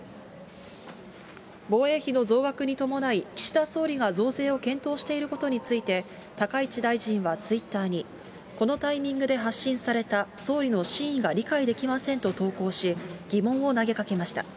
防衛費の増額に伴い、岸田総理が増税を検討していることについて、高市大臣はツイッターに、このタイミングで発信された総理の真意が理解できませんと投稿し、疑問を投げかけました。